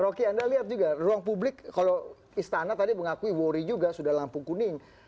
rocky anda lihat juga ruang publik kalau istana tadi mengakui worry juga sudah lampu kuning